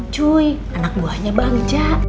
cuy anak buahnya bagja